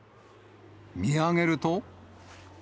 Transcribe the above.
見上げると。